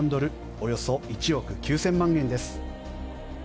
およそ１億９０００万円です。